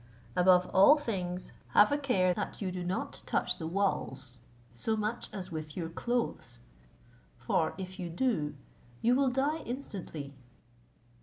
Above all things, have a care that you do not touch the walls, so much as with your clothes; for if you do, you will die instantly.